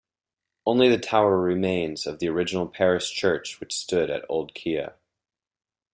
Only the tower remains of the original parish church which stood at Old Kea.